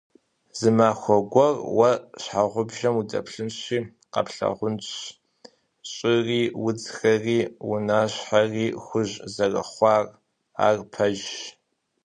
Зы махуэ гуэр уэ щхьэгъубжэм удэплъынщи къэплъагъунщ щӏыри, удзхэри, унащхьэри хужь зэрыхъуар, ар жэпщ.